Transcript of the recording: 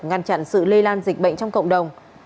ngăn chặn sự lây lan dịch bệnh trong cộng đồng